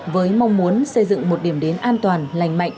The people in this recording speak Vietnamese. với mong muốn xây dựng một điểm đến an toàn lành mạnh